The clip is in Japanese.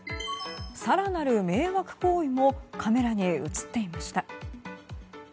更なる迷惑行為もカメラに映っていました。